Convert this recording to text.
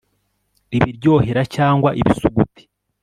Ibiryohera cyangwa Ibisuguti